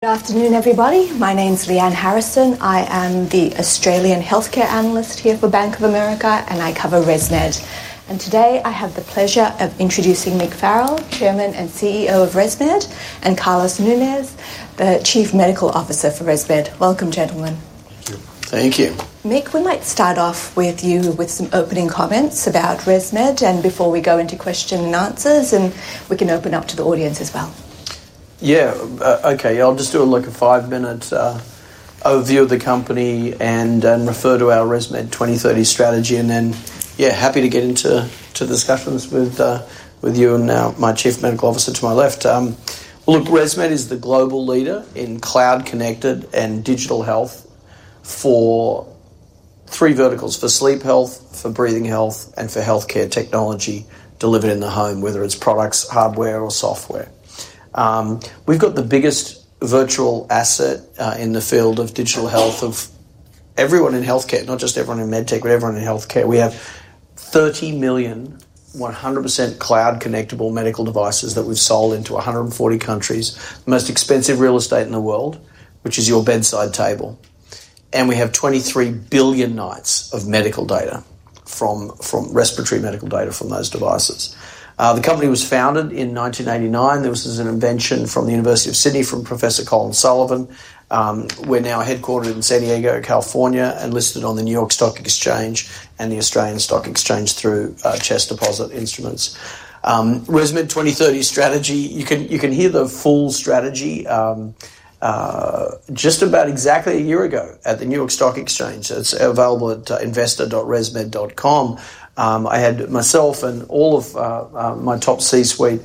Good afternoon, everybody. My name's Leanne Harrison. I am the Australian Healthcare Analyst here for Bank of America, and I cover ResMed. Today I have the pleasure of introducing Mick Farrell, Chairman and CEO of ResMed, and Carlos Nunez, the Chief Medical Officer for ResMed. Welcome, gentlemen. Thank you. Thank you. Mick, we might start off with you with some opening comments about ResMed, and before we go into questions and answers, we can open up to the audience as well. Yeah, okay. I'll just do like a five-minute overview of the company and then refer to our ResMed 2030 strategy, and then, yeah, happy to get into the discussions with you and now my Chief Medical Officer to my left. Look, ResMed is the global leader in cloud-connected and digital health for three verticals: for sleep health, for breathing health, and for healthcare technology delivered in the home, whether it's products, hardware, or software. We've got the biggest virtual asset in the field of digital health of everyone in healthcare, not just everyone in medtech, but everyone in healthcare. We have 30 million 100% cloud-connectable medical devices that we've sold into 140 countries, the most expensive real estate in the world, which is your bedside table. We have 23 billion nights of medical data from respiratory medical data from those devices. The company was founded in 1989. This was an invention from the University of Sydney from Professor Colin Sullivan. We're now headquartered in San Diego, California, and listed on the New York Stock Exchange and the Australian Stock Exchange through Chess Deposit Instruments. ResMed 2030 strategy, you can hear the full strategy just about exactly a year ago at the New York Stock Exchange. It's available at investor.resmed.com. I had myself and all of my top C-suite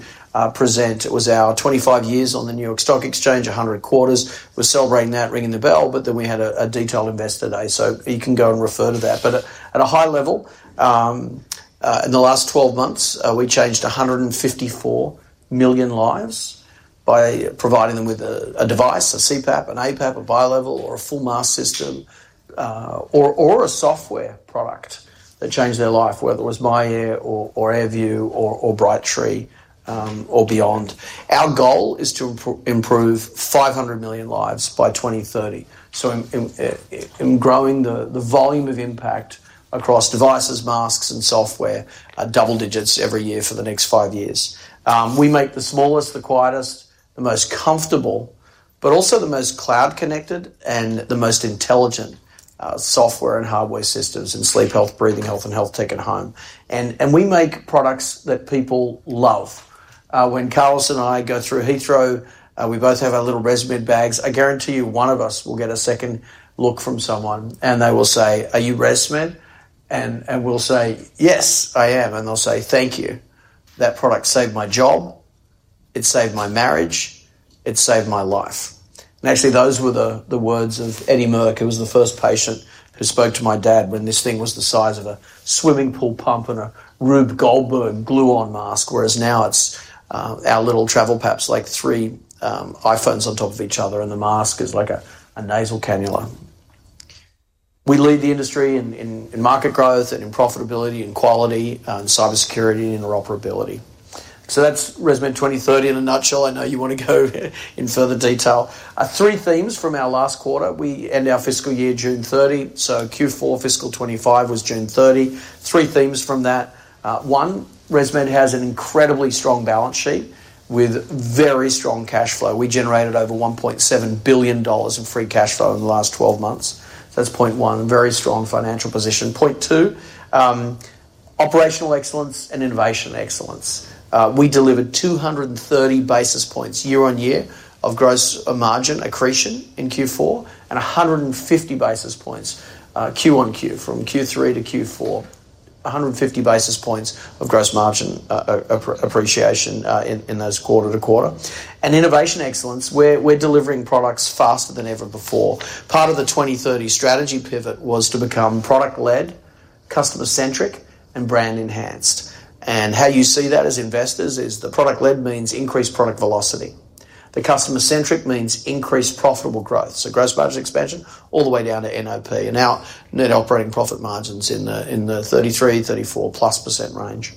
present. It was our 25 years on the New York Stock Exchange, 100 quarters. We're celebrating that, ringing the bell, but then we had a detailed investor day, so you can go and refer to that. At a high level, in the last 12 months, we changed 154 million lives by providing them with a device, a CPAP, an APAP, a bi-level, or a full mask system, or a software product that changed their life, whether it was myAir or AirView or Brightree or Beyond. Our goal is to improve 500 million lives by 2030. In growing the volume of impact across devices, masks, and software, double digits every year for the next five years. We make the smallest, the quietest, the most comfortable, but also the most cloud-connected and the most intelligent software and hardware systems in sleep health, breathing health, and health tech at home. We make products that people love. When Carlos and I go through Heathrow, we both have our little ResMed bags. I guarantee you one of us will get a second look from someone, and they will say, "Are you ResMed?" and we'll say, "Yes, I am." They will say, "Thank you. That product saved my job. It saved my marriage." "It saved my life." Actually, those were the words of Annie Merk, who was the first patient who spoke to my dad when this thing was the size of a swimming pool pump and a Rube Goldberg glue-on mask, whereas now it's our little travel packs, like three iPhones on top of each other, and the mask is like a nasal cannula. We lead the industry in market growth, profitability, quality, cybersecurity, and interoperability. That's ResMed 2030 in a nutshell. I know you want to go in further detail. Three themes from our last quarter. We end our fiscal year June 30. Q4 fiscal 2025 was June 30. Three themes from that. One, ResMed has an incredibly strong balance sheet with very strong cash flow. We generated over $1.7 billion in free cash flow in the last 12 months. That's point one, a very strong financial position. Point two, operational excellence and innovation excellence. We delivered 230 basis points year on year of gross margin accretion in Q4 and 150 basis points quarter on quarter from Q3 to Q4. 150 basis points of gross margin appreciation in those quarter to quarter. Innovation excellence, we're delivering products faster than ever before. Part of the 2030 strategy pivot was to become product-led, customer-centric, and brand-enhanced. How you see that as investors is the product-led means increased product velocity. The customer-centric means increased profitable growth. Gross margin expansion all the way down to NOP. Now net operating profit margins in the 33, 34+% range.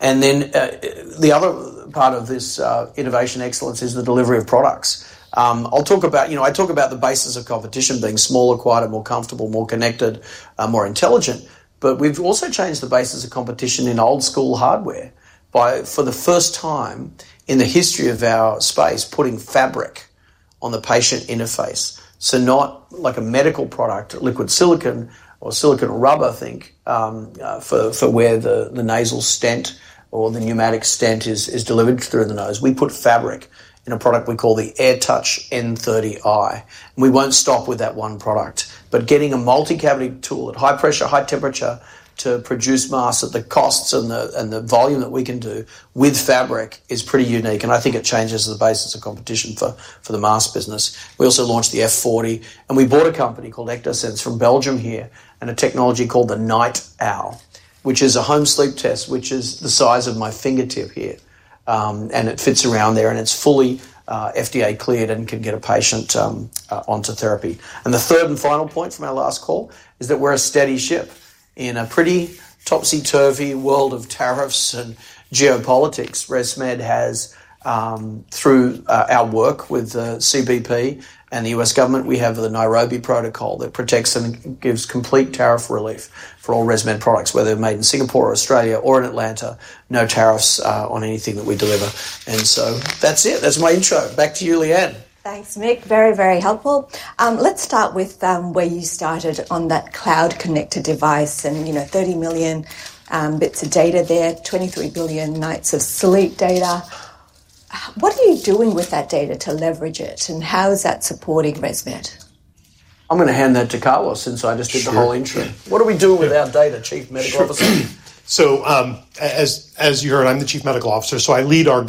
The other part of this innovation excellence is the delivery of products. I'll talk about, you know, I talk about the basis of competition being smaller, quieter, more comfortable, more connected, more intelligent. We've also changed the basis of competition in old school hardware by, for the first time in the history of our space, putting fabric on the patient interface. Not like a medical product, liquid silicon or silicon rubber, think, for where the nasal stent or the pneumatic stent is delivered through the nose. We put fabric in a product we call the AirTouch N30i. We won't stop with that one product. Getting a multi-cavity tool at high pressure, high temperature to produce masks at the costs and the volume that we can do with fabric is pretty unique. I think it changes the basis of competition for the mask business. We also launched the AirFit F40. We bought a company called Ectosense from Belgium here and a technology called the NightOwl, which is a home sleep test, which is the size of my fingertip here. It fits around there, and it's fully FDA cleared and can get a patient onto therapy. The third and final point from our last call is that we're a steady ship in a pretty topsy-turvy world of tariffs and geopolitics. ResMed has, through our work with CBP and the U.S. government, the Nairobi Protocol that protects and gives complete tariff relief for all ResMed products, whether they're made in Singapore or Australia or in Atlanta. There are no tariffs on anything that we deliver. That's it. That's my intro. Back to you, Leanne. Thanks, Mick. Very, very helpful. Let's start with where you started on that cloud-connected device, you know, 30 million bits of data there, 23 billion nights of sleep data. What are you doing with that data to leverage it? How is that supporting ResMed? I'm going to hand that to Carlos since I just did the whole intro. What are we doing with our data, Chief Medical Officer? Sure. As you heard, I'm the Chief Medical Officer. I lead our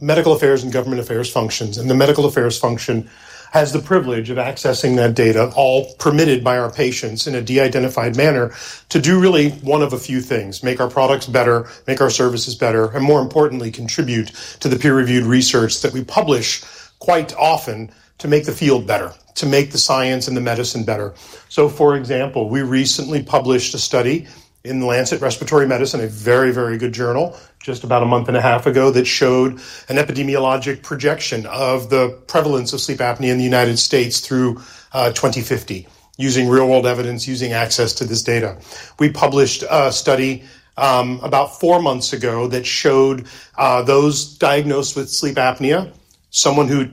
Medical Affairs and Government Affairs functions. The Medical Affairs function has the privilege of accessing that data, all permitted by our patients in a de-identified manner, to do really one of a few things: make our products better, make our services better, and more importantly, contribute to the peer-reviewed research that we publish quite often to make the field better, to make the science and the medicine better. For example, we recently published a study in The Lancet Respiratory Medicine, a very, very good journal, just about a month and a half ago that showed an epidemiologic projection of the prevalence of sleep apnea in the U.S. through 2050, using real-world evidence, using access to this data. We published a study about four months ago that showed those diagnosed with sleep apnea, someone who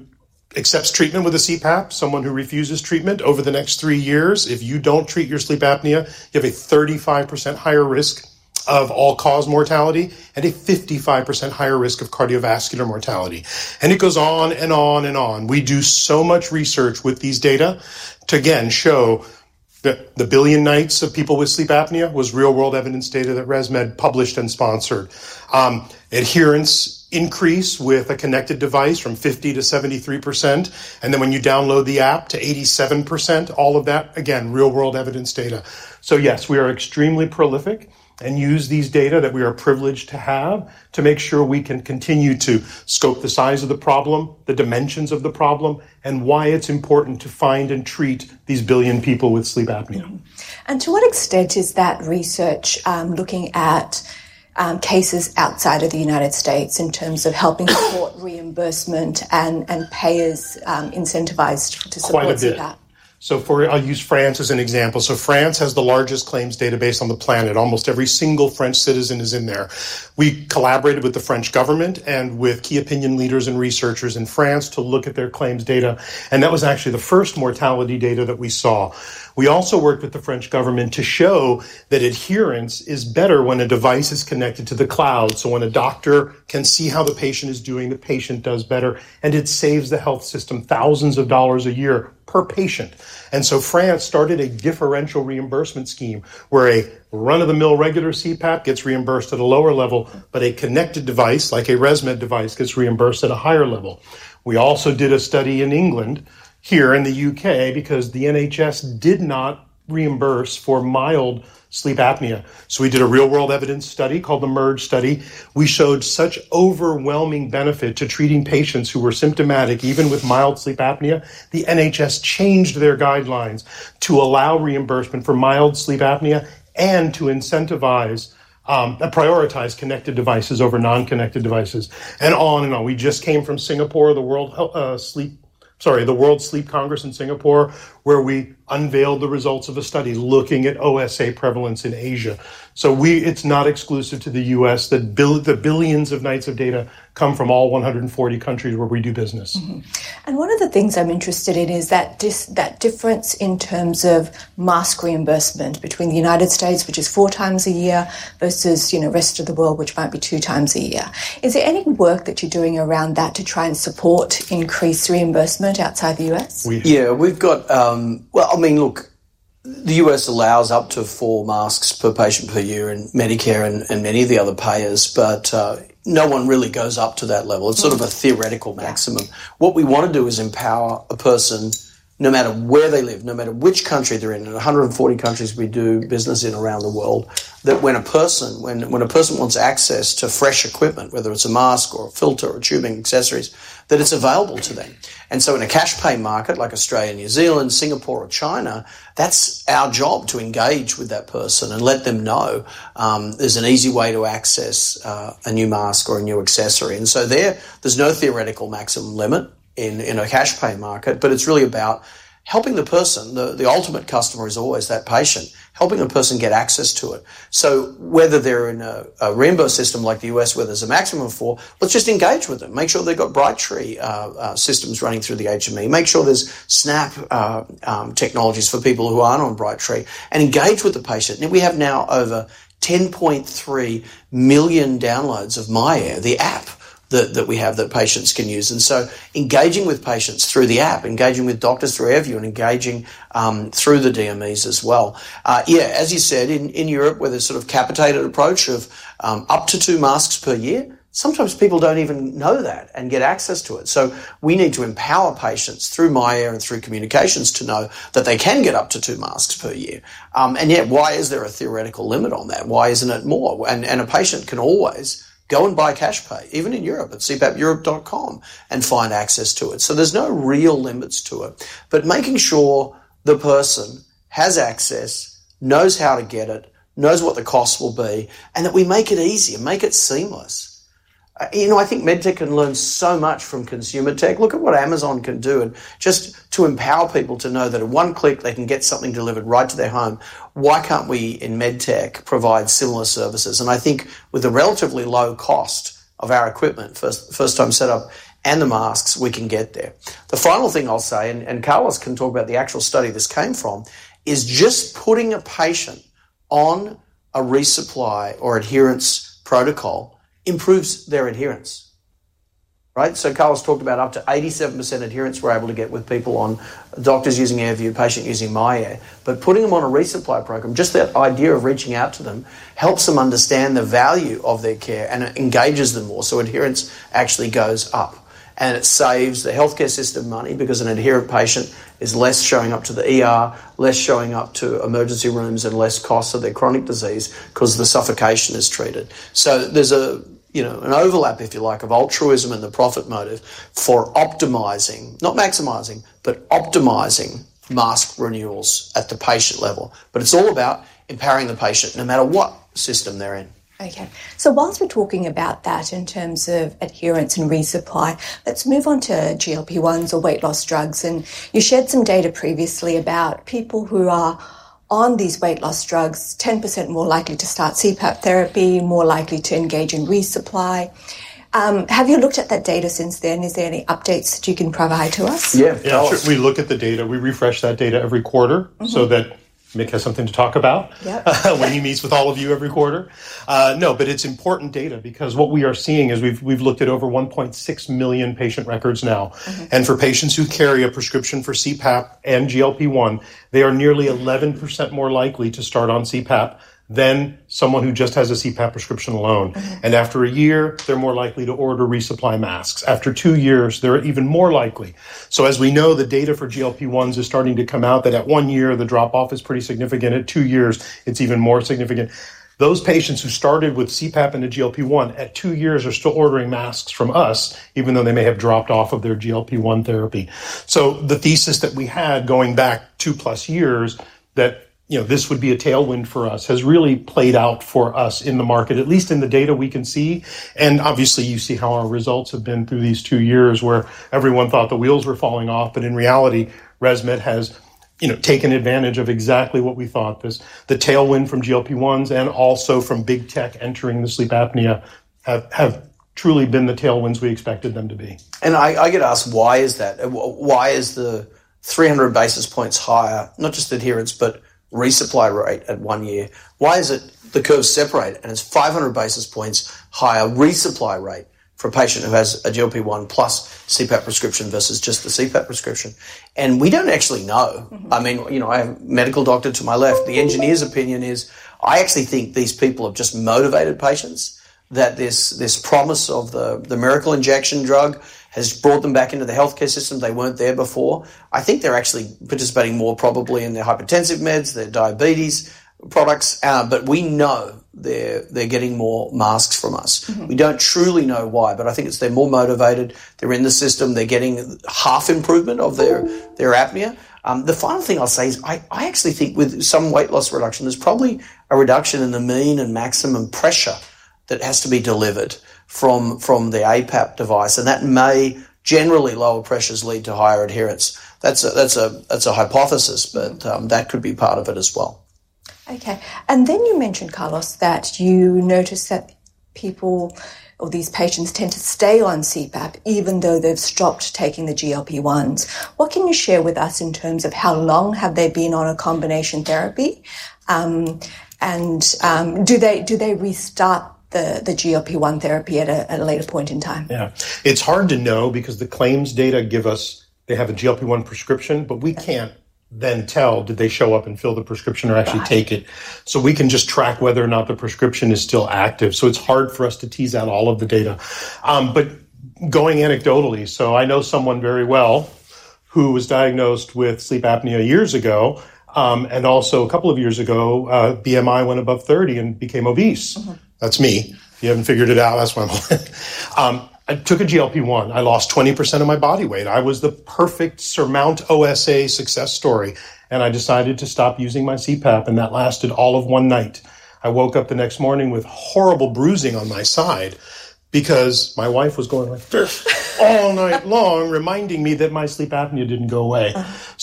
accepts treatment with a CPAP, someone who refuses treatment, over the next three years, if you don't treat your sleep apnea, you have a 35% higher risk of all-cause mortality and a 55% higher risk of cardiovascular mortality. It goes on and on and on. We do so much research with these data to, again, show that the billion nights of people with sleep apnea was real-world evidence data that ResMed published and sponsored. Adherence increase with a connected device from 50% to 73%. When you download the app to 87%, all of that, again, real-world evidence data. Yes, we are extremely prolific and use these data that we are privileged to have to make sure we can continue to scope the size of the problem, the dimensions of the problem, and why it's important to find and treat these billion people with sleep apnea. To what extent is that research looking at cases outside of the U.S. in terms of helping court reimbursement and payers incentivized to support CPAP? Quite a bit. I'll use France as an example. France has the largest claims database on the planet. Almost every single French citizen is in there. We collaborated with the French government and with key opinion leaders and researchers in France to look at their claims data. That was actually the first mortality data that we saw. We also worked with the French government to show that adherence is better when a device is connected to the cloud. When a doctor can see how the patient is doing, the patient does better. It saves the health system thousands of dollars a year per patient. France started a differential reimbursement scheme where a run-of-the-mill regular CPAP gets reimbursed at a lower level, but a connected device, like a ResMed device, gets reimbursed at a higher level. We also did a study in England, here in the UK, because the NHS did not reimburse for mild sleep apnea. We did a real-world evidence study called the MERGE study. We showed such overwhelming benefit to treating patients who were symptomatic, even with mild sleep apnea. The NHS changed their guidelines to allow reimbursement for mild sleep apnea and to incentivize and prioritize connected devices over non-connected devices, and on and on. We just came from Singapore, the World Sleep Congress in Singapore, where we unveiled the results of a study looking at OSA prevalence in Asia. It's not exclusive to the U.S. that the billions of nights of data come from all 140 countries where we do business. One of the things I'm interested in is that difference in terms of mask reimbursement between the U.S., which is four times a year, versus the rest of the world, which might be two times a year. Is there any work that you're doing around that to try and support increased reimbursement outside the U.S.? Yeah, we've got, I mean, look, the U.S. allows up to four masks per patient per year in Medicare and many of the other payers, but no one really goes up to that level. It's sort of a theoretical maximum. What we want to do is empower a person, no matter where they live, no matter which country they're in, and 140 countries we do business in around the world, that when a person wants access to fresh equipment, whether it's a mask or a filter or tubing accessories, that it's available to them. In a cash-pay market like Australia, New Zealand, Singapore, or China, that's our job to engage with that person and let them know there's an easy way to access a new mask or a new accessory. There, there's no theoretical maximum limit in a cash-pay market, but it's really about helping the person. The ultimate customer is always that patient, helping the person get access to it. Whether they're in a reimbursement system like the U.S., where there's a maximum of four, let's just engage with them. Make sure they've got Brightree systems running through the HME. Make sure there's SNAP technologies for people who aren't on Brightree and engage with the patient. We have now over 10.3 million downloads of myAir, the app that we have that patients can use. Engaging with patients through the app, engaging with doctors through AirView, and engaging through the DMEs as well. As you said, in Europe, with a sort of capitated approach of up to two masks per year, sometimes people don't even know that and get access to it. We need to empower patients through myAir and through communications to know that they can get up to two masks per year. Yet, why is there a theoretical limit on that? Why isn't it more? A patient can always go and buy cash pay, even in Europe at cpapeurope.com, and find access to it. There's no real limits to it. Making sure the person has access, knows how to get it, knows what the costs will be, and that we make it easier, make it seamless. I think medtech can learn so much from consumer tech. Look at what Amazon can do just to empower people to know that in one click, they can get something delivered right to their home. Why can't we in medtech provide similar services? I think with the relatively low cost of our equipment, first-time setup, and the masks, we can get there. The final thing I'll say, and Carlos can talk about the actual study this came from, is just putting a patient on a resupply or adherence protocol improves their adherence. Carlos talked about up to 87% adherence we're able to get with people on doctors using AirView, patients using myAir. Putting them on a resupply program, just that idea of reaching out to them helps them understand the value of their care and engages them more. Adherence actually goes up. It saves the healthcare system money because an adherent patient is less showing up to emergency rooms, and less costs of their chronic disease because the suffocation is treated. There's an overlap, if you like, of altruism and the profit motive for optimizing, not maximizing, but optimizing mask renewals at the patient level. It's all about empowering the patient no matter what system they're in. Okay. Whilst we're talking about that in terms of adherence and resupply, let's move on to GLP-1s or weight loss drugs. You shared some data previously about people who are on these weight loss drugs being 10% more likely to start CPAP therapy, more likely to engage in resupply. Have you looked at that data since then? Is there any updates that you can provide to us? Yeah, we look at the data. We refresh that data every quarter so that Mick has something to talk about when he meets with all of you every quarter. No, but it's important data because what we are seeing is we've looked at over 1.6 million patient records now. For patients who carry a prescription for CPAP and GLP-1, they are nearly 11% more likely to start on CPAP than someone who just has a CPAP prescription alone. After a year, they're more likely to order resupply masks. After two years, they're even more likely. The data for GLP-1s is starting to come out that at one year, the drop-off is pretty significant. At two years, it's even more significant. Those patients who started with CPAP and a GLP-1 at two years are still ordering masks from us, even though they may have dropped off of their GLP-1 therapy. The thesis that we had going back two plus years that this would be a tailwind for us has really played out for us in the market, at least in the data we can see. Obviously, you see how our results have been through these two years where everyone thought the wheels were falling off. In reality, ResMed has taken advantage of exactly what we thought. The tailwind from GLP-1s and also from big tech entering the sleep apnea have truly been the tailwinds we expected them to be. I get asked, why is that? Why is the 300 basis points higher, not just adherence, but resupply rate at one year? Why is it the curve separated and it's 500 basis points higher resupply rate for a patient who has a GLP-1 plus CPAP prescription versus just the CPAP prescription? We don't actually know. I mean, you know, I have a medical doctor to my left. The engineer's opinion is I actually think these people are just motivated patients, that this promise of the miracle injection drug has brought them back into the healthcare system they weren't in before. I think they're actually participating more probably in their hypertensive meds, their diabetes products. We know they're getting more masks from us. We don't truly know why, but I think they're more motivated. They're in the system. They're getting half improvement of their apnea. The final thing I'll say is I actually think with some weight loss reduction, there's probably a reduction in the mean and maximum pressure that has to be delivered from the APAP device. That may generally lower pressures, lead to higher adherence. That's a hypothesis, but that could be part of it as well. Okay. You mentioned, Carlos, that you noticed that people or these patients tend to stay on CPAP even though they've stopped taking the GLP-1s. What can you share with us in terms of how long have they been on a combination therapy? Do they restart the GLP-1 therapy at a later point in time? Yeah. It's hard to know because the claims data give us they have a GLP-1 prescription, but we can't then tell, did they show up and fill the prescription or actually take it? We can just track whether or not the prescription is still active. It's hard for us to tease out all of the data. Going anecdotally, I know someone very well who was diagnosed with sleep apnea years ago, and also a couple of years ago, BMI went above 30 and became obese. That's me. If you haven't figured it out, that's why I'm on it. I took a GLP-1. I lost 20% of my body weight. I was the perfect surmount OSA success story. I decided to stop using my CPAP, and that lasted all of one night. I woke up the next morning with horrible bruising on my side because my wife was going like all night long, reminding me that my sleep apnea didn't go away.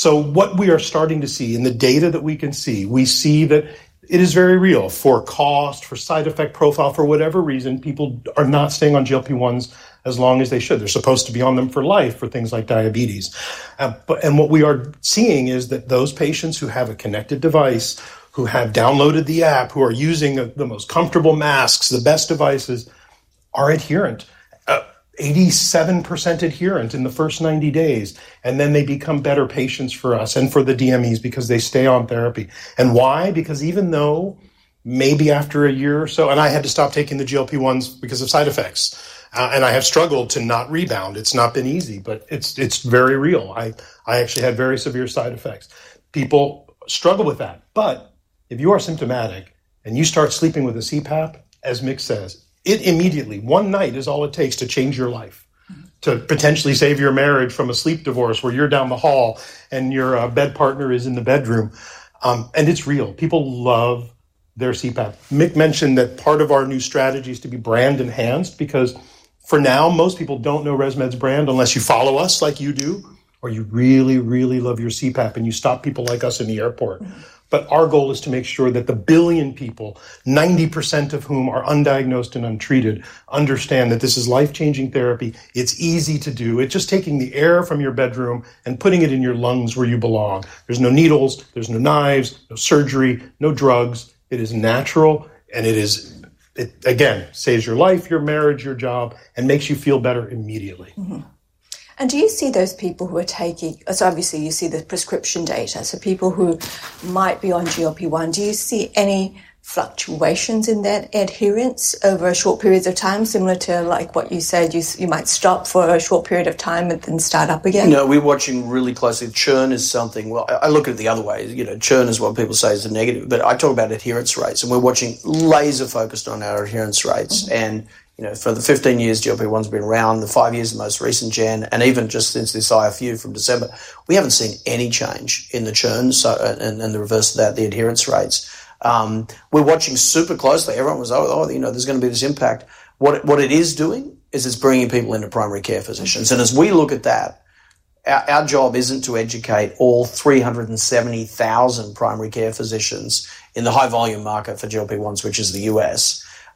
What we are starting to see in the data that we can see, we see that it is very real for cost, for side effect profile, for whatever reason, people are not staying on GLP-1s as long as they should. They're supposed to be on them for life for things like diabetes. What we are seeing is that those patients who have a connected device, who have downloaded the app, who are using the most comfortable masks, the best devices, are adherent, 87% adherent in the first 90 days. They become better patients for us and for the DMEs because they stay on therapy. Why? Even though maybe after a year or so, and I had to stop taking the GLP-1s because of side effects, and I have struggled to not rebound. It's not been easy, but it's very real. I actually had very severe side effects. People struggle with that. If you are symptomatic and you start sleeping with a CPAP, as Mick says, it immediately, one night is all it takes to change your life, to potentially save your marriage from a sleep divorce where you're down the hall and your bed partner is in the bedroom. It's real. People love their CPAP. Mick mentioned that part of our new strategy is to be brand enhanced because for now, most people don't know ResMed's brand unless you follow us like you do, or you really, really love your CPAP and you stop people like us in the airport. Our goal is to make sure that the billion people, 90% of whom are undiagnosed and untreated, understand that this is life-changing therapy. It's easy to do. It's just taking the air from your bedroom and putting it in your lungs where you belong. There's no needles, there's no knives, no surgery, no drugs. It is natural, and it is, again, saves your life, your marriage, your job, and makes you feel better immediately. Do you see those people who are taking, so obviously you see the prescription data, so people who might be on GLP-1, do you see any fluctuations in that adherence over short periods of time, similar to what you said, you might stop for a short period of time and then start up again? No, we're watching really closely. Churn is something, I look at it the other way. You know, churn is what people say is a negative, but I talk about adherence rates, and we're watching laser-focused on our adherence rates. You know, for the 15 years GLP-1's been around, the five years of the most recent gen, and even just since this IFU from December, we haven't seen any change in the churn, and the reverse of that, the adherence rates. We're watching super closely. Everyone was like, oh, you know, there's going to be this impact. What it is doing is it's bringing people into primary care physicians. As we look at that, our job isn't to educate all 370,000 primary care physicians in the high-volume market for GLP-1s, which is the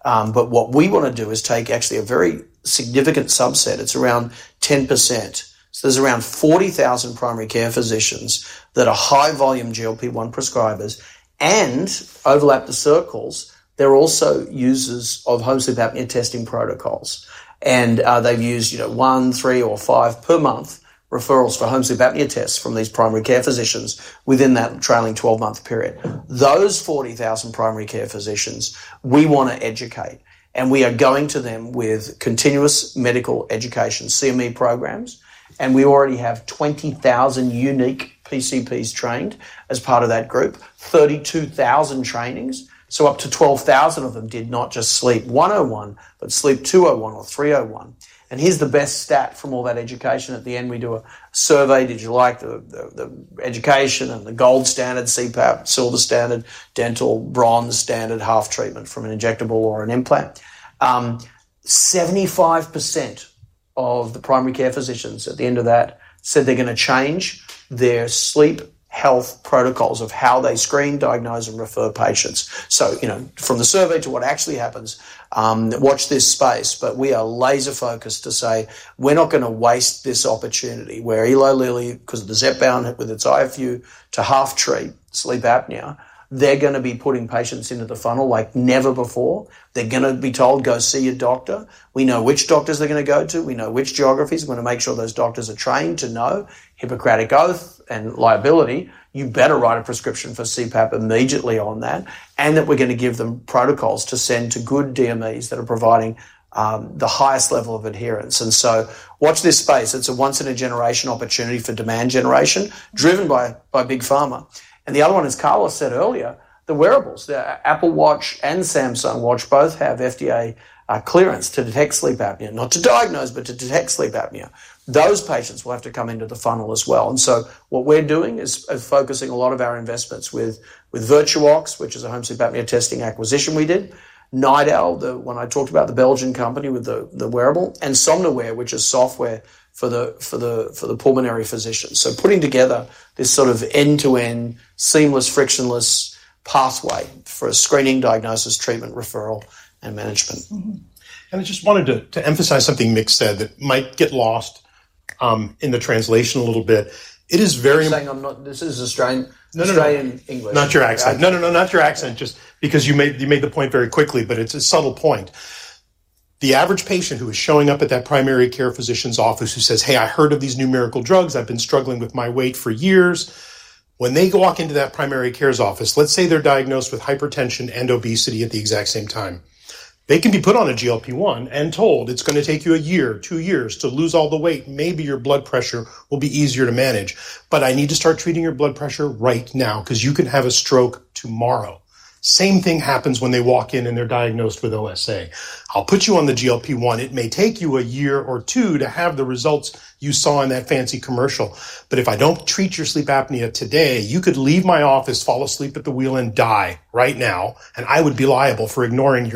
U.S. What we want to do is take actually a very significant subset. It's around 10%. So there's around 40,000 primary care physicians that are high-volume GLP-1 prescribers, and overlap the circles, they're also users of home sleep apnea testing protocols. They've used, you know, one, three, or five per month referrals for home sleep apnea tests from these primary care physicians within that trailing 12-month period. Those 40,000 primary care physicians, we want to educate, and we are going to them with continuous medical education, CME programs. We already have 20,000 unique PCPs trained as part of that group, 32,000 trainings. Up to 12,000 of them did not just sleep 101, but sleep 201 or 301. Here's the best stat from all that education. At the end, we do a survey, did you like the education and the gold standard CPAP, silver standard, dental bronze standard, half treatment from an injectable or an implant? 75% of the primary care physicians at the end of that said they're going to change their sleep health protocols of how they screen, diagnose, and refer patients. From the survey to what actually happens, watch this space, but we are laser-focused to say we're not going to waste this opportunity where Eli Lilly, because of the Zepp bound with its IFU, to half treat sleep apnea, they're going to be putting patients into the funnel like never before. They're going to be told, go see your doctor. We know which doctors they're going to go to. We know which geographies. We're going to make sure those doctors are trained to know Hippocratic Oath and liability. You better write a prescription for CPAP immediately on that. We are going to give them protocols to send to good DMEs that are providing the highest level of adherence. Watch this space. It's a once-in-a-generation opportunity for demand generation driven by Big Pharma. The other one is, as Carlos said earlier, the wearables. The Apple Watch and Samsung Watch both have FDA clearance to detect sleep apnea, not to diagnose, but to detect sleep apnea. Those patients will have to come into the funnel as well. We are focusing a lot of our investments with Virtuox, which is a home sleep apnea testing acquisition we did, NightOwl, the one I talked about, the Belgian company with the wearable, and Somnoware, which is software for the pulmonary physicians. Putting together this sort of end-to-end seamless, frictionless pathway for screening, diagnosis, treatment, referral, and management. I just wanted to emphasize something, Mick, there that might get lost in the translation a little bit. It is very. I'm not, this is Australian. No, no, no, in English. Not your accent. No, no, no, not your accent, just because you made the point very quickly, but it's a subtle point. The average patient who is showing up at that primary care physician's office who says, "Hey, I heard of these new miracle drugs. I've been struggling with my weight for years." When they walk into that primary care's office, let's say they're diagnosed with hypertension and obesity at the exact same time. They can be put on a GLP-1 and told it's going to take you a year, two years to lose all the weight. Maybe your blood pressure will be easier to manage. I need to start treating your blood pressure right now because you could have a stroke tomorrow. The same thing happens when they walk in and they're diagnosed with OSA. I'll put you on the GLP-1. It may take you a year or two to have the results you saw in that fancy commercial. If I don't treat your sleep apnea today, you could leave my office, fall asleep at the wheel, and die right now. I would be liable for ignoring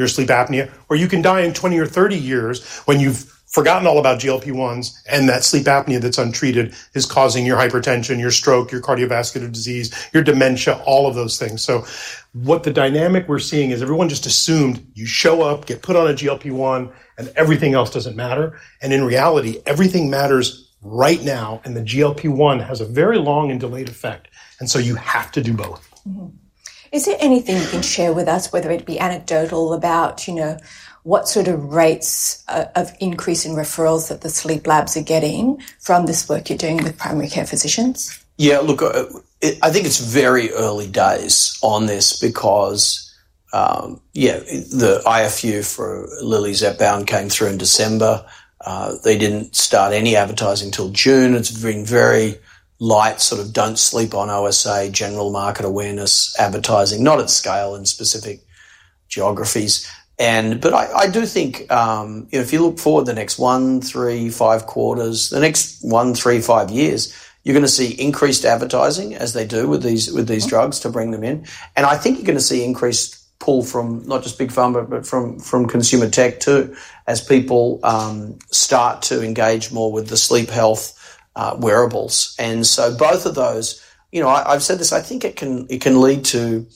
your sleep apnea. Or you can die in 20 or 30 years when you've forgotten all about GLP-1s and that sleep apnea that's untreated is causing your hypertension, your stroke, your cardiovascular disease, your dementia, all of those things. What the dynamic we're seeing is everyone just assumed you show up, get put on a GLP-1, and everything else doesn't matter. In reality, everything matters right now, and the GLP-1 has a very long and delayed effect. You have to do both. Is there anything you can share with us, whether it be anecdotal, about what sort of rates of increase in referrals that the sleep labs are getting from this work you're doing with primary care physicians? Yeah, look, I think it's very early days on this because the IFU for Lilly Zepp bound came through in December. They didn't start any advertising until June. It's been very light, sort of don't sleep on OSA, general market awareness advertising, not at scale in specific geographies. I do think, you know, if you look forward the next one, three, five quarters, the next one, three, five years, you're going to see increased advertising as they do with these drugs to bring them in. I think you're going to see increased pull from not just Big Pharma, but from consumer tech too, as people start to engage more with the sleep health wearables. Both of those, you know, I've said this, I think it can lead to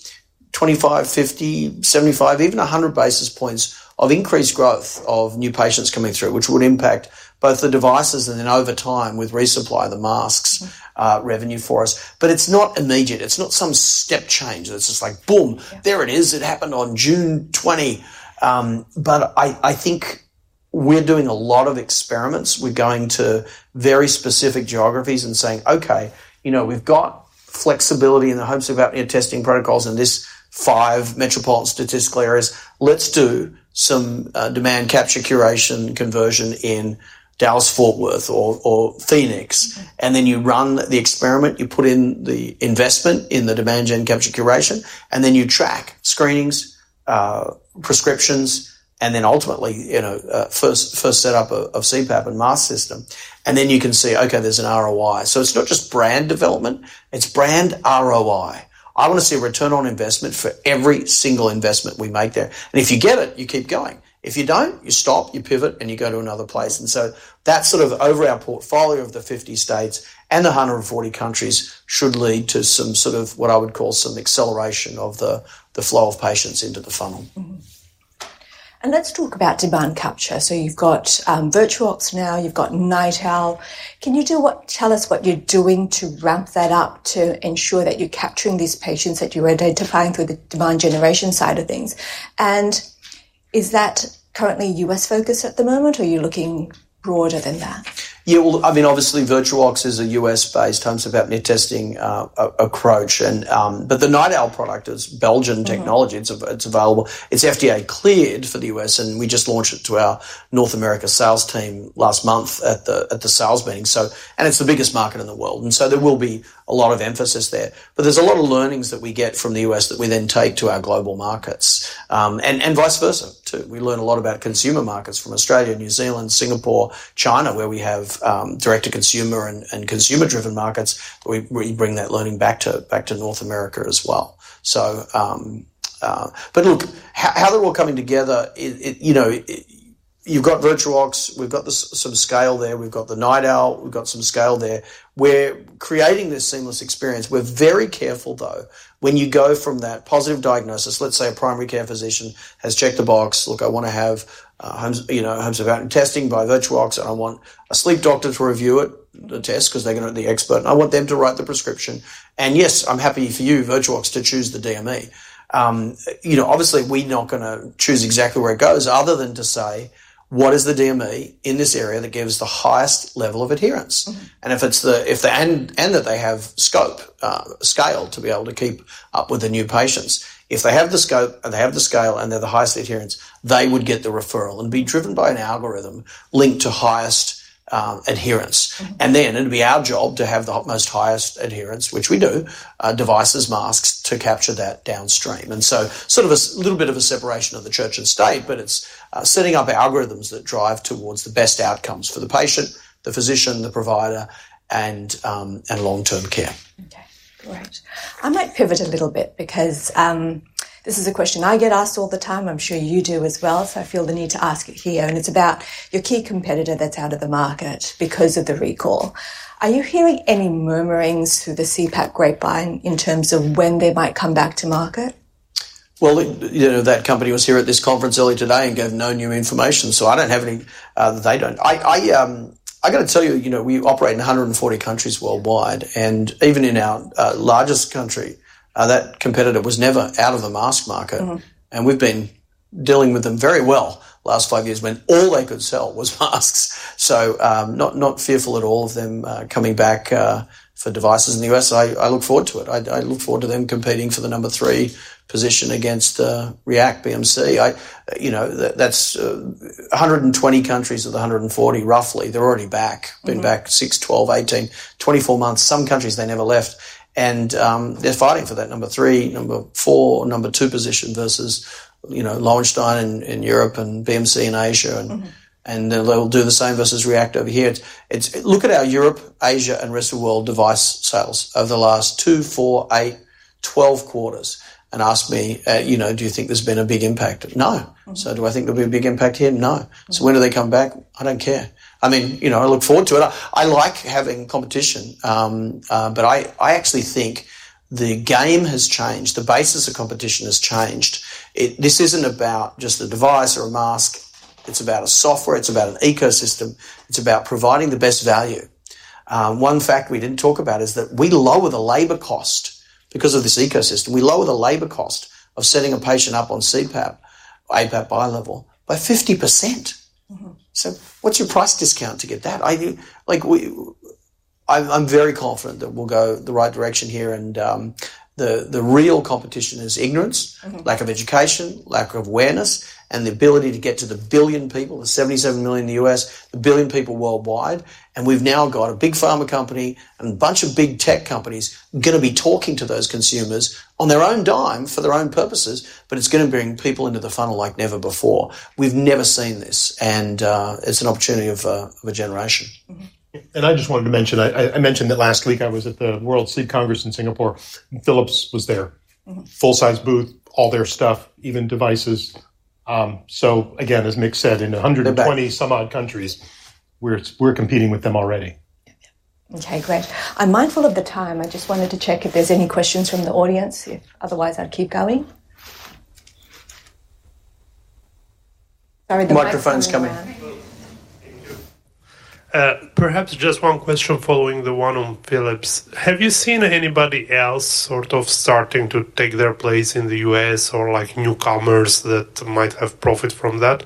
25, 50, 75, even 100 basis points of increased growth of new patients coming through, which would impact both the devices and then over time with resupply of the masks revenue for us. It's not immediate. It's not some step change. It's just like, boom, there it is. It happened on June 20. I think we're doing a lot of experiments. We're going to very specific geographies and saying, okay, you know, we've got flexibility in the home sleep apnea testing protocols in these five metropolitan statistical areas. Let's do some demand capture, curation, conversion in Dallas Fort Worth or Phoenix. You run the experiment, you put in the investment in the demand gen capture, curation, and then you track screenings, prescriptions, and then ultimately, you know, first set up of CPAP and mask system. Then you can see, okay, there's an ROI. It's not just brand development. It's brand ROI. I want to see a return on investment for every single investment we make there. If you get it, you keep going. If you don't, you stop, you pivot, and you go to another place. That sort of over our portfolio of the 50 states and the 140 countries should lead to some sort of what I would call some acceleration of the flow of patients into the funnel. Let's talk about demand capture. You've got Virtuox now, you've got NightOwl. Can you tell us what you're doing to ramp that up to ensure that you're capturing these patients that you're identifying through the demand generation side of things? Is that currently U.S. focused at the moment? Are you looking broader than that? Yeah, obviously, Virtuox is a U.S.-based home sleep apnea testing approach. The NightOwl product is Belgian technology. It's available. It's FDA cleared for the U.S. We just launched it to our North America sales team last month at the sales meeting. It's the biggest market in the world, so there will be a lot of emphasis there. There's a lot of learnings that we get from the U.S. that we then take to our global markets, and vice versa too. We learn a lot about consumer markets from Australia, New Zealand, Singapore, China, where we have direct to consumer and consumer-driven markets. We bring that learning back to North America as well. Look, how they're all coming together, you've got Virtuox. We've got the sort of scale there. We've got the NightOwl. We've got some scale there. We're creating this seamless experience. We're very careful, though, when you go from that positive diagnosis. Let's say a primary care physician has checked the box. Look, I want to have home sleep apnea testing by Virtuox. I want a sleep doctor to review the test because they're going to be the expert. I want them to write the prescription. Yes, I'm happy for you, Virtuox, to choose the DME. Obviously, we're not going to choose exactly where it goes other than to say, what is the DME in this area that gives the highest level of adherence? If they have the scope and they have the scale and they're the highest adherence, they would get the referral and be driven by an algorithm linked to highest adherence. It'll be our job to have the most highest adherence, which we do, devices, masks, to capture that downstream. It's sort of a little bit of a separation of the church and state, but it's setting up algorithms that drive towards the best outcomes for the patient, the physician, the provider, and long-term care. Okay, great. I might pivot a little bit because this is a question I get asked all the time. I'm sure you do as well. I feel the need to ask it here. It's about your key competitor that's out of the market because of the recall. Are you hearing any murmurings through the CPAP grapevine in terms of when they might come back to market? That company was here at this conference earlier today and gave no new information. I don't have any, they don't. I got to tell you, we operate in 140 countries worldwide. Even in our largest country, that competitor was never out of the mask market. We've been dealing with them very well the last five years when all they could sell was masks. Not fearful at all of them coming back for devices in the U.S. I look forward to it. I look forward to them competing for the number three position against the React BMC. That's 120 countries of the 140, roughly. They're already back. Been back 6, 12, 18, 24 months. Some countries, they never left. They're fighting for that number three, number four, number two position versus, you know, Lornstein in Europe and BMC in Asia. They'll do the same versus React over here. Look at our Europe, Asia, and rest of the world device sales over the last 2, 4, 8, 12 quarters. Ask me, do you think there's been a big impact? No. Do I think there'll be a big impact here? No. When do they come back? I don't care. I look forward to it. I like having competition. I actually think the game has changed. The basis of competition has changed. This isn't about just the device or a mask. It's about a software. It's about an ecosystem. It's about providing the best value. One fact we didn't talk about is that we lower the labor cost because of this ecosystem. We lower the labor cost of setting a patient up on CPAP, APAP, bilevel by 50%. What's your price discount to get that? I'm very confident that we'll go the right direction here. The real competition is ignorance, lack of education, lack of awareness, and the ability to get to the billion people, the 77 million in the U.S., the billion people worldwide. We've now got a big pharma company and a bunch of big tech companies going to be talking to those consumers on their own dime for their own purposes. It's going to bring people into the funnel like never before. We've never seen this. It's an opportunity of a generation. I just wanted to mention, I mentioned that last week I was at the World Sleep Congress in Singapore. Philips was there. Full-size booth, all their stuff, even devices. As Mick said, in 120 some odd countries, we're competing with them already. Okay, great. I'm mindful of the time. I just wanted to check if there's any questions from the audience. Otherwise, I'll keep going. Microphone's coming. Perhaps just one question following the one on Philips. Have you seen anybody else starting to take their place in the U.S. or like newcomers that might have profit from that?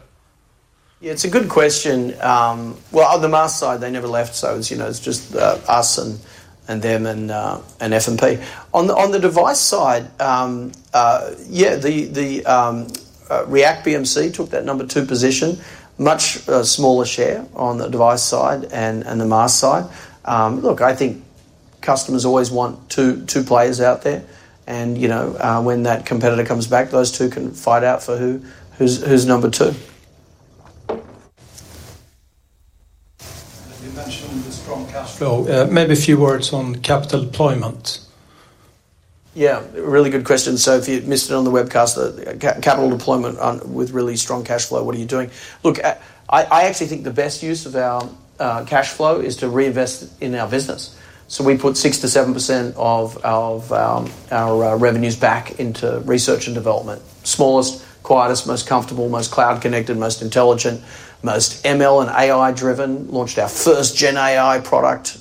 Yeah, it's a good question. On the mask side, they never left. It was just us and them and FMP. On the device side, yeah, the React BMC took that number two position, much smaller share on the device side and the mask side. I think customers always want two players out there. You know, when that competitor comes back, those two can fight out for who's number two. Maybe a few words on capital deployment. Yeah, really good question. Sophie, you missed it on the webcast. Capital deployment with really strong cash flow. What are you doing? Look, I actually think the best use of our cash flow is to reinvest in our business. We put 6% to 7% of our revenues back into research and development. Smallest, quietest, most comfortable, most cloud connected, most intelligent, most ML and AI driven. Launched our first gen AI product,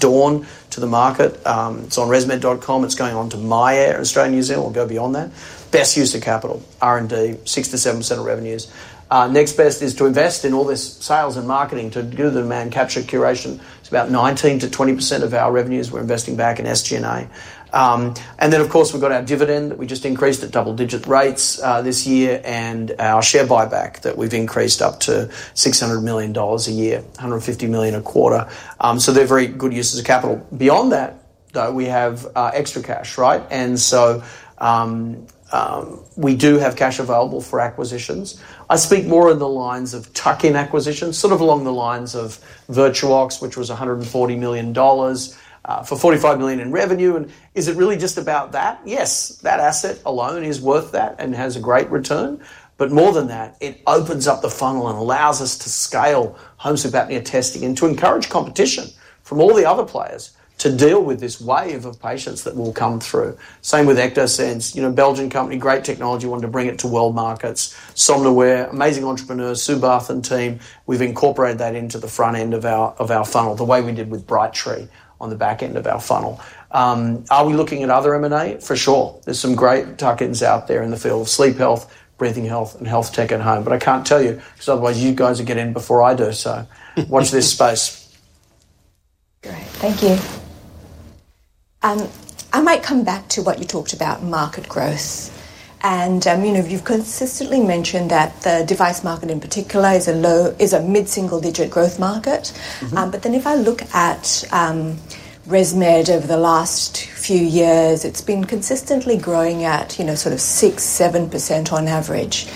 Dawn, to the market. It's on resmed.com. It's going on to myAir, Australia and New Zealand. We'll go beyond that. Best use of capital, R&D, 6% to 7% of revenues. Next best is to invest in all this sales and marketing to do the demand capture curation. It's about 19% to 20% of our revenues we're investing back in SG&A. Of course, we've got our dividend that we just increased at double digit rates this year, and our share buyback that we've increased up to $600 million a year, $150 million a quarter. They're very good uses of capital. Beyond that, though, we have extra cash, right? We do have cash available for acquisitions. I speak more in the lines of tuck-in acquisitions, sort of along the lines of Virtuox, which was $140 million for $45 million in revenue. Is it really just about that? Yes, that asset alone is worth that and has a great return. More than that, it opens up the funnel and allows us to scale home sleep apnea testing and to encourage competition from all the other players to deal with this wave of patients that will come through. Same with Ectosense, you know, Belgian company, great technology, wanted to bring it to world markets. Somnoware, amazing entrepreneurs, Subath and team. We've incorporated that into the front end of our funnel, the way we did with Brightree on the back end of our funnel. Are we looking at other M&A? For sure. There are some great tuck-ins out there in the field of sleep health, breathing health, and health tech at home. I can't tell you, because otherwise you guys are getting in before I do. Watch this space. Great. Thank you. I might come back to what you talked about, market growth. You've consistently mentioned that the device market in particular is a mid-single-digit growth market. If I look at ResMed over the last few years, it's been consistently growing at, you know, sort of 6%, 7% on average.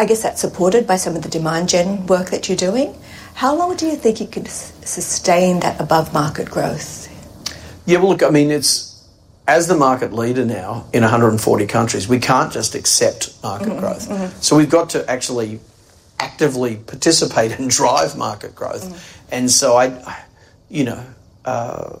I guess that's supported by some of the demand gen work that you're doing. How long do you think you could sustain that above-market growth? Yeah, look, I mean, as the market leader now in 140 countries, we can't just accept market growth. We've got to actually actively participate and drive market growth. I, you know,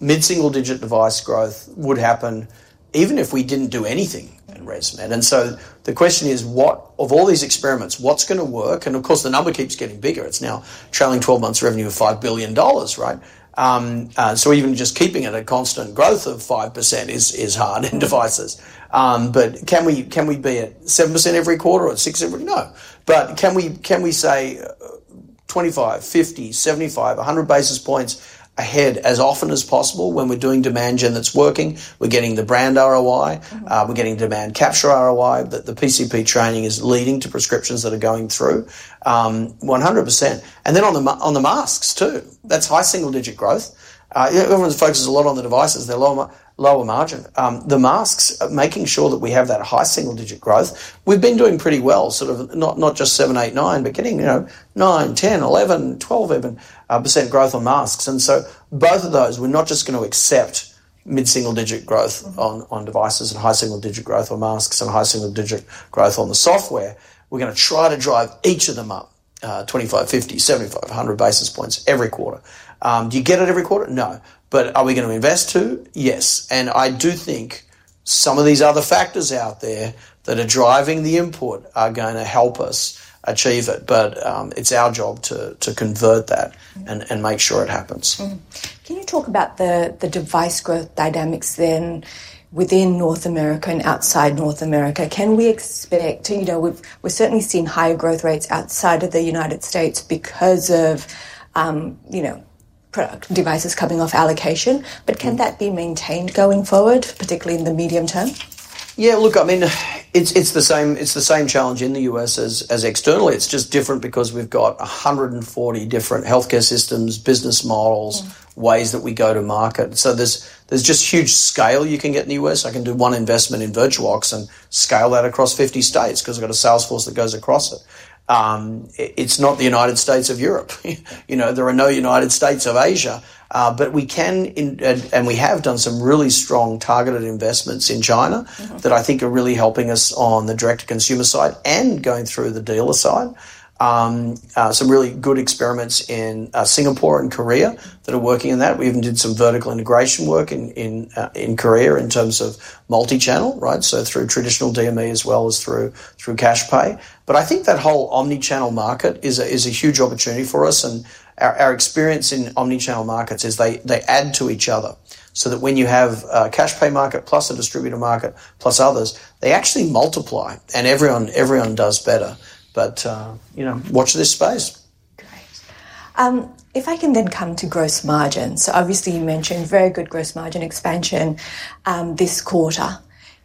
mid-single-digit device growth would happen even if we didn't do anything in ResMed. The question is, what of all these experiments, what's going to work? The number keeps getting bigger. It's now trailing 12 months revenue of $5 billion, right? Even just keeping at a constant growth of 5% is hard in devices. Can we be at 7% every quarter or 6% every quarter? No. Can we say 25, 50, 75, 100 basis points ahead as often as possible when we're doing demand gen that's working? We're getting the brand ROI. We're getting demand capture ROI that the PCP training is leading to prescriptions that are going through. 100%. On the masks too, that's high single-digit growth. Everyone's focused a lot on the devices. They're lower margin. The masks, making sure that we have that high single-digit growth, we've been doing pretty well, sort of not just 7, 8, 9, but getting, you know, 9, 10, 11, 12, even % growth on masks. Both of those, we're not just going to accept mid-single-digit growth on devices and high single-digit growth on masks and high single-digit growth on the software. We're going to try to drive each of them up 25, 50, 75, 100 basis points every quarter. Do you get it every quarter? No. Are we going to invest too? Yes. I do think some of these other factors out there that are driving the import are going to help us achieve it. It's our job to convert that and make sure it happens. Can you talk about the device growth dynamics then within North America and outside North America? Can we expect, you know, we've certainly seen higher growth rates outside of the U.S. because of, you know, product devices coming off allocation. Can that be maintained going forward, particularly in the medium term? Yeah, look, I mean, it's the same challenge in the U.S. as externally. It's just different because we've got 140 different healthcare systems, business models, ways that we go to market. There's just huge scale you can get in the U.S. I can do one investment in Virtuox and scale that across 50 states because I've got a sales force that goes across it. It's not the United States of Europe. There are no United States of Asia. We can, and we have done some really strong targeted investments in China that I think are really helping us on the direct-to-consumer side and going through the dealer side. Some really good experiments in Singapore and Korea are working in that. We even did some vertical integration work in Korea in terms of multi-channel, right? Through traditional DME as well as through cash pay. I think that whole omnichannel market is a huge opportunity for us. Our experience in omnichannel markets is they add to each other, so that when you have a cash pay market plus a distributor market plus others, they actually multiply and everyone does better. You know, watch this space. If I can then come to gross margins, you mentioned very good gross margin expansion this quarter.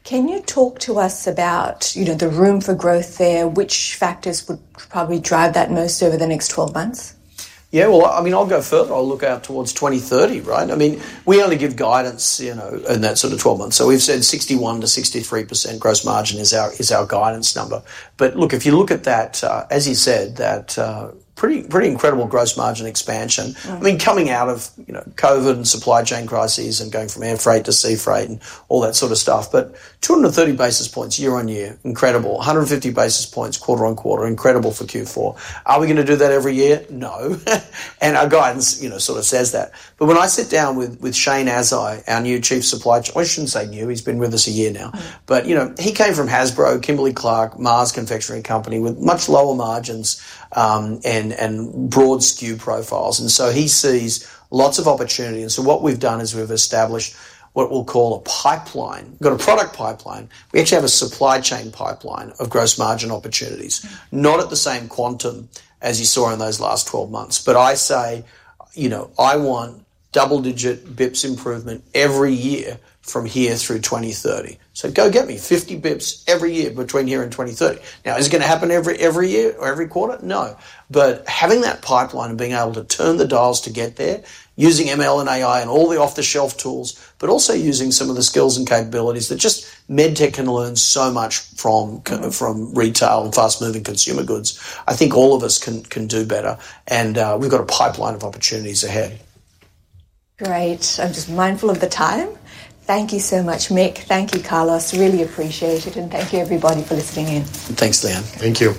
Can you talk to us about the room for growth there, which factors would probably drive that most over the next 12 months? Yeah, I mean, I'll go further. I'll look out towards 2030, right? I mean, we only give guidance, you know, in that sort of 12 months. We've said 61% to 63% gross margin is our guidance number. If you look at that, as you said, that pretty incredible gross margin expansion, coming out of, you know, COVID and supply chain crises and going from air freight to sea freight and all that sort of stuff. 230 basis points year on year, incredible. 150 basis points quarter on quarter, incredible for Q4. Are we going to do that every year? No. Our guidance, you know, sort of says that. When I sit down with Shane Azzai, our new Chief Supply Chain Officer, I shouldn't say new, he's been with us a year now. He came from Hasbro, Kimberly-Clark, mask confectionery company with much lower margins and broad SKU profiles. He sees lots of opportunity. What we've done is we've established what we'll call a pipeline. We've got a product pipeline. We actually have a supply chain pipeline of gross margin opportunities, not at the same quantum as you saw in those last 12 months. I say, you know, I want double-digit bps improvement every year from here through 2030. Go get me 50 bps every year between here and 2030. Is it going to happen every year or every quarter? No. Having that pipeline and being able to turn the dials to get there using ML and AI and all the off-the-shelf tools, but also using some of the skills and capabilities that just med tech can learn so much from retail and fast-moving consumer goods. I think all of us can do better. We've got a pipeline of opportunities ahead. Great. I'm just mindful of the time. Thank you so much, Mick. Thank you, Carlos. Really appreciate it. Thank you, everybody, for listening in. Thanks, Leanne. Thank you.